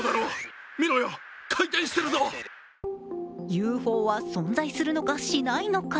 ＵＦＯは存在するのか、しないのか。